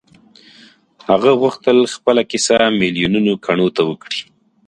هغه غوښتل خپله کيسه ميليونو کڼو ته وکړي.